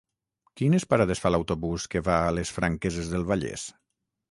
Quines parades fa l'autobús que va a les Franqueses del Vallès?